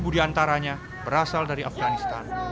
tujuh di antaranya berasal dari afganistan